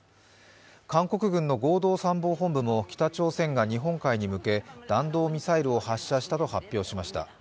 韓国軍の合同参謀本部も北朝鮮が日本海に向け弾道ミサイルを発射したと発表しました。